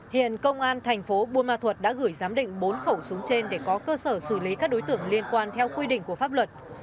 hiện công an thành phố buôn ma thuật đã gửi giám định bốn khẩu súng trên để có cơ sở xử lý các đối tượng liên quan theo quy định của pháp luật